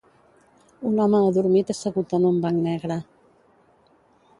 Un home adormit assegut en un banc negre.